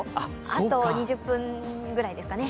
あと２０分くらいですかね。